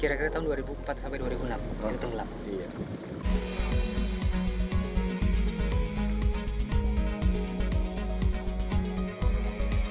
ada puluhan atau ratusan